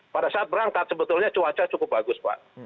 pada saat berangkat sebetulnya cuaca cukup bagus pak